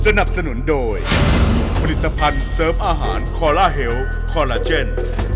สนับสนุนโดยผลิตภัณฑ์เสริมอาหารคอลลาเฮลคอลลาเจน